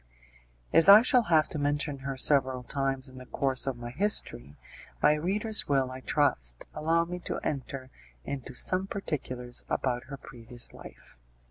As I shall have to mention her several times in the course of my history, my readers will, I trust, allow me to enter into some particulars about her previous life.